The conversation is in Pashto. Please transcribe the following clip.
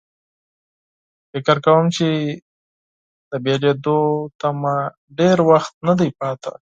فکر کوم چې له بېلېدو ته مو ډېر وخت نه دی پاتې.